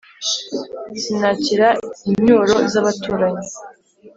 Sinakira incyuro z’abaturanyi.